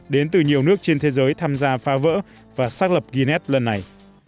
đến từ nhiều nước trên thế giới tham gia phá vỡ và xác lập guinness lần này